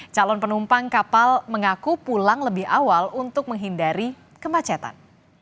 calon penumpang kapal mengaku pulang lebih awal untuk menghindari kemacetan